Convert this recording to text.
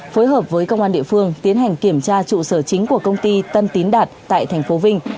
phối hợp với công an địa phương tiến hành kiểm tra trụ sở chính của công ty tân tín đạt tại thành phố vinh